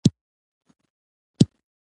نیزې ښايي هم د ښکار او هم د جګړو لپاره وې.